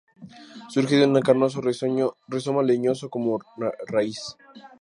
Surge de un carnoso rizoma leñoso como raíz.